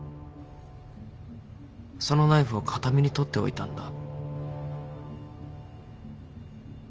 そのナイフを形見に取っておいたんだ。